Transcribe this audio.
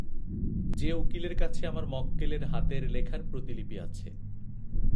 যে উকিলের কাছে আমার মক্কেলের হাতের লেখার প্রতিলিপি আছে।